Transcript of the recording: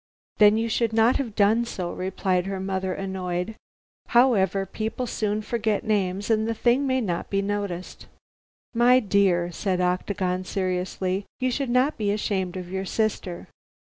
"Then you should not have done so," replied her mother, annoyed. "However, people soon forget names, and the thing may not be noticed." "My dear," said Octagon, seriously, "you should not be ashamed of your sister.